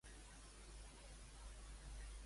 Em poses l'audiollibre "Canto jo i la muntanya balla"?